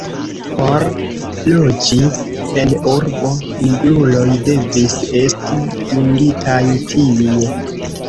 Por loĝi en urbo, nigruloj devis esti dungitaj tie.